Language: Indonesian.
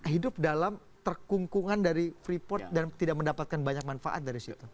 hidup dalam terkungkungan dari freeport dan tidak mendapatkan banyak manfaat dari situ